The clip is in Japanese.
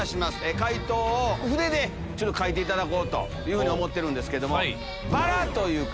解答を筆で書いていただこうと思ってるんですけども。